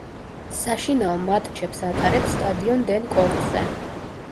საშინაო მატჩებს ატარებს სტადიონ დენ კორტზე.